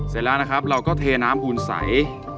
เสร็จแล้วนะครับเราก็เทน้ำอูนใส